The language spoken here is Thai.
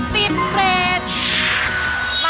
ติดเลส